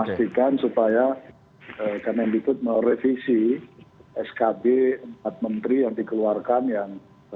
pastikan supaya kemendik putri merevisi skb empat menteri yang dikeluarkan